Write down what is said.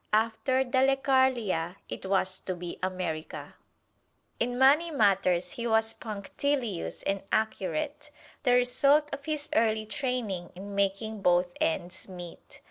After Dalecarlia it was to be America! In money matters he was punctilious and accurate, the result of his early training in making both ends meet.